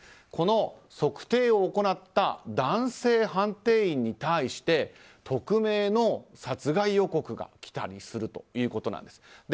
この測定を行った男性判定員に対して匿名の殺害予告が来たりするということです。